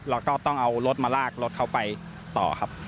แล้วก็ต้องเอารถมาลากรถเขาไปต่อครับ